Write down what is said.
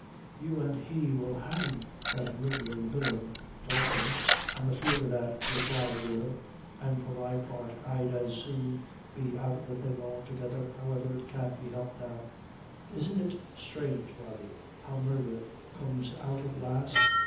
"You an' he will hang that murdherin' villain, Dalton " "I'm afeard o' that," replied the other; "an' for my part, I'd as soon be out of the thing altogether; however, it can't be helped now.'" "Isn't it sthrange, Rody, how murdher comes out at last?"